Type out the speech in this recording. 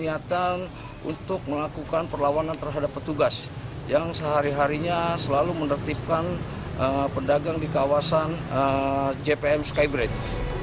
niatan untuk melakukan perlawanan terhadap petugas yang sehari harinya selalu menertibkan pedagang di kawasan jpm skybridge